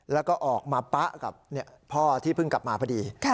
แล้วก็ออกมาป๊ะกับพ่อที่เพิ่งกลับมาพอดี